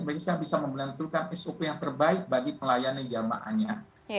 mereka bisa memenentukan sop yang terbaik bagi pelayanan jambahannya